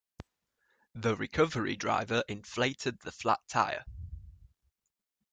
The recovery driver inflated the flat tire.